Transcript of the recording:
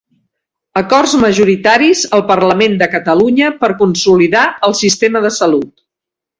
Acords majoritaris al Parlament de Catalunya per consolidar el sistema de salut.